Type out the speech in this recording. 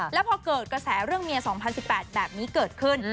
แล้วพอเกิดกระแสเรื่องเมีย๒๐๑๘แบบนี้เกิดขึ้น